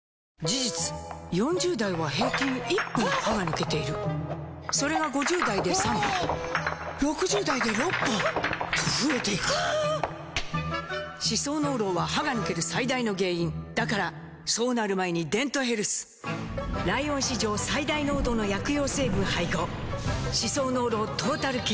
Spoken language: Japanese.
事実４０代は平均１本歯が抜けているそれが５０代で３本６０代で６本と増えていく歯槽膿漏は歯が抜ける最大の原因だからそうなる前に「デントヘルス」ライオン史上最大濃度の薬用成分配合歯槽膿漏トータルケア！